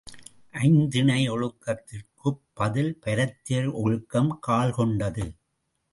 ஐந்திணை ஒழுக்கத்திற்குப் பதில் பரத்தையர் ஒழுக்கம் கால்கொண்டது.